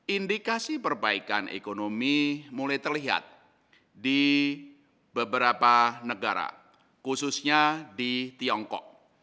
indikasi perbaikan ekonomi mulai terlihat di beberapa negara khususnya di tiongkok